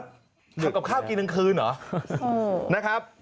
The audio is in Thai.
กลับข้าวกินตั้งคืนเหรอเออนะครับ